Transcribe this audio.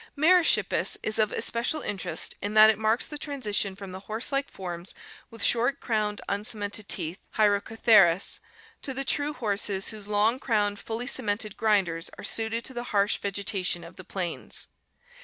Merychippus (Figs. 220, 221) is of especial interest in that it marks the transition from the horse like forms with short crowned, uncemented teeth (hyracotheres) to the true horses whose long crowned, fully cemented grinders are suited to the harsh vegeta tion of the plains.